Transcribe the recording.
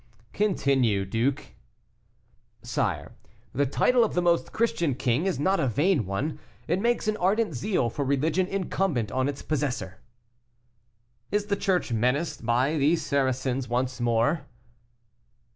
"Continue, duke." "Sire, the title of most Christian king is not a vain one; it makes an ardent zeal for religion incumbent on its possessor." "Is the Church menaced by the Saracens once more?"